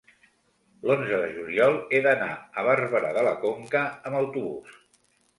l'onze de juliol he d'anar a Barberà de la Conca amb autobús.